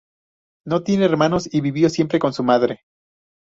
No tiene hermanos y vivió siempre con su madre.